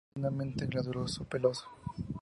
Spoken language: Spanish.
Hipanto densamente glanduloso-peloso.